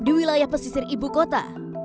di wilayah pesisir ibu kota